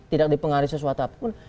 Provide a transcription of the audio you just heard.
tidak dipengaruhi sesuatu apapun